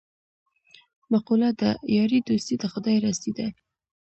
مقوله ده: یاري دوستي د خدای راستي ده.